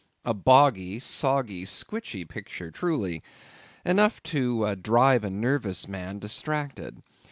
A boggy, soggy, squitchy picture truly, enough to drive a nervous man distracted.